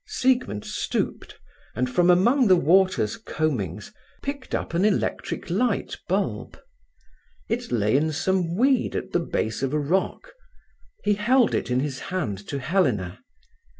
Siegmund stooped, and from among the water's combings picked up an electric light bulb. It lay in some weed at the base of a rock. He held it in his hand to Helena.